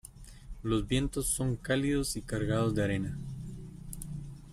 Los vientos son cálidos y cargados de arena.